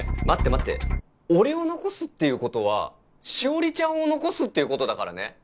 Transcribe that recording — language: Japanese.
待って待って俺を残すっていうことは詩織ちゃんを残すっていうことだからね。